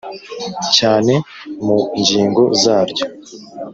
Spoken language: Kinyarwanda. Cyane mu ngingo zaryo